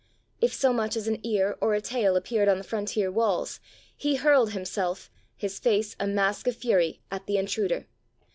If so much as an ear or a tail appeared on the frontier walls, he hurled himself, his face a mask of fury, at the intruder.